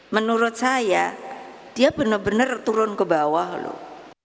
menurut saya dia benar benar turun ke bawah loh